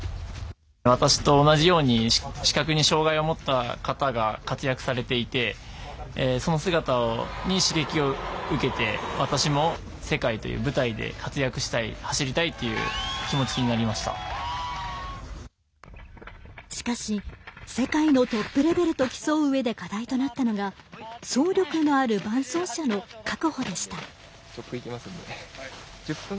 私と同じように視覚に障がいを持った方が活躍されていてしかし世界のトップレベルと競ううえで課題となったのが走力のある伴走者の確保でした。